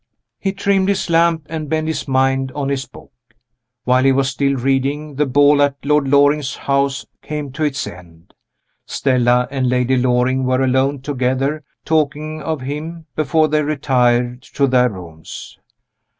He trimmed his lamp, and bent his mind on his book. While he was still reading, the ball at Lord Loring's house came to its end. Stella and Lady Loring were alone together, talking of him, before they retired to their rooms.